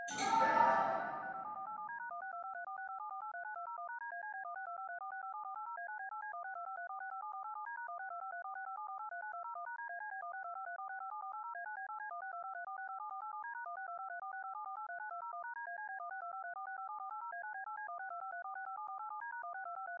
现为江苏省文物保护单位。